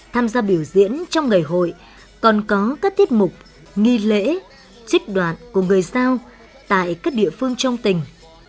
tham gia biểu diễn trong ngày hội còn có các tiết mục nghi lễ trích đoạn của người giao tại các địa phương trong tỉnh